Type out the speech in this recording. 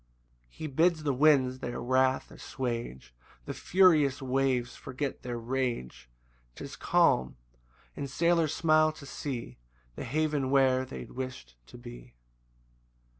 5 He bids the winds their wrath assuage; The furious waves forget their rage; 'Tis calm; and sailors smile to see The haven where they wish'd to be.